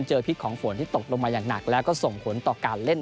พิษของฝนที่ตกลงมาอย่างหนักแล้วก็ส่งผลต่อการเล่น